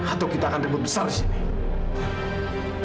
atau kita akan ribet besar disini